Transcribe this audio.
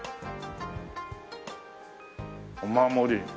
お守り。